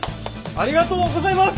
ありがとうございます！